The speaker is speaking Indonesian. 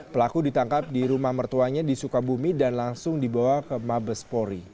pelaku ditangkap di rumah mertuanya di sukabumi dan langsung dibawa ke mabespori